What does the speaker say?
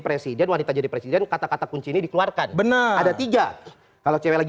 presiden wanita jadi presiden kata kata kunci ini dikeluarkan benar ada tiga kalau cewek lagi